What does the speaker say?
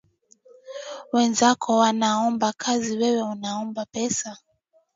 Wenzako wanaomba kazi wewe unaomba pesa.